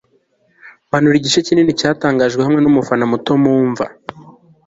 manura igice kinini cyatangajwe, hamwe numufana muto, mumva